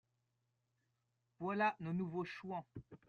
Voilà nos nouveaux Chouans